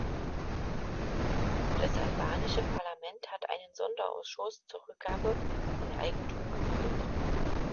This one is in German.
Das albanische Parlament hat einen Sonderausschuss zur Rückgabe von Eigentum gebildet.